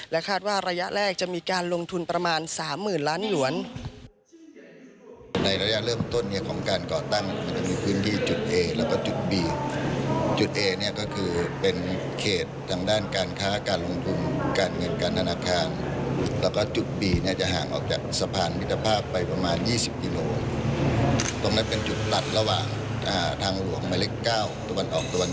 คาดว่าระยะแรกจะมีการลงทุนประมาณ๓๐๐๐ล้านหลวน